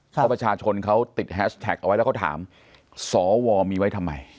เพราะประชาชนเขาติดแฮชแท็กเอาไว้แล้วก็ถามสวมีไว้ทำไม